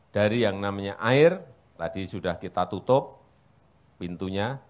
dari yang namanya air tadi sudah kita tutup pintunya